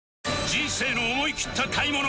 人生の思いきった買い物